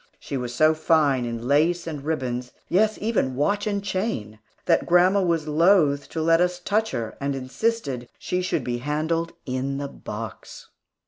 She was so fine in lace and ribbons, yes, even watch and chain, that grandma was loath to let us touch her, and insisted she should be handled in the box.